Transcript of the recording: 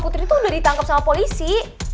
putri tuh udah ditangkep sama polisi